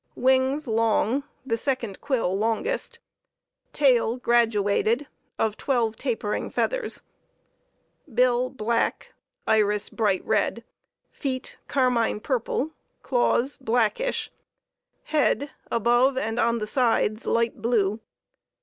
Wings long, the second quill longest. Tail graduated, of twelve tapering feathers. Bill black. Iris bright red. Feet carmine purple, claws blackish. Head above and on the sides light blue.